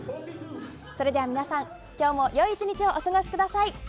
それでは皆さん今日も良い１日をお過ごしください。